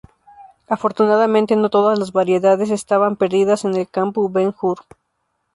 Afortunadamente no todas las variedades estaban perdidas en el campo Ben Hur.